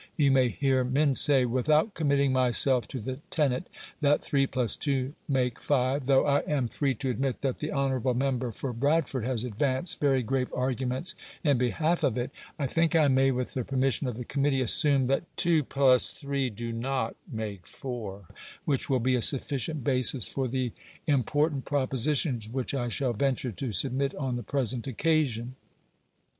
You may hear men say, "Without committing myself to the tenet that 3 + 2 make 5, though I am free to admit that the honourable member for Bradford has advanced very grave arguments in behalf of it, I think I may, with the permission of the Committee, assume that 2 + 3 do not make 4, which will be a sufficient basis for the important propositions which I shall venture to submit on the present occasion."